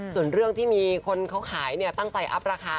ส่วนเรื่องที่มีคนเขาขายเนี่ยตั้งใจอัพราคา